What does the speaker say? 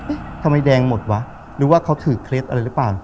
เอ๊ะทำมันแดงหมดวะเดี๋ยวเขาถือเคล็ดอะไรหรือเปล่า